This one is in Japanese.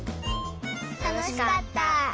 たのしかった。